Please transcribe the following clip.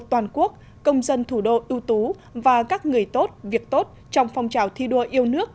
toàn quốc công dân thủ đô ưu tú và các người tốt việc tốt trong phong trào thi đua yêu nước